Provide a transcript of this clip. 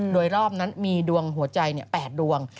โดยรอบนั้นมีดวงหัวใจ๘ดวง